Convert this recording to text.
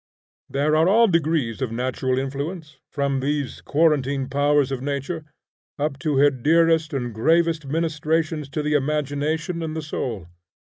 There are all degrees of natural influence, from these quarantine powers of nature, up to her dearest and gravest ministrations to the imagination and the soul.